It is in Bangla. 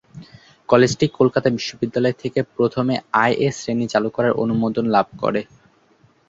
কলেজটি কলকাতা বিশ্ববিদ্যালয় থেকে প্রথমে আই.এ শ্রেণি চালু করার অনুমোদন লাভ করে।